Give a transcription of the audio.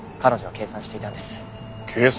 計算？